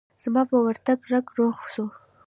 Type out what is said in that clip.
زما په ورتگ رکه روغه سوه.